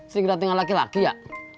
sering dateng sama laki laki ya